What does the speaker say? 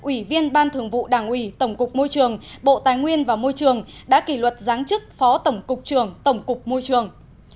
ủy viên ban thường vụ đảng ủy tổng cục môi trường bộ tài nguyên và môi trường đã kỷ luật giáng chức phó tổng cục trường tổng cục môi trường